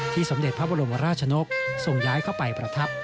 สมเด็จพระบรมราชนกส่งย้ายเข้าไปประทับ